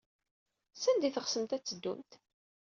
Sanda ay tɣetsemt ad teddumt?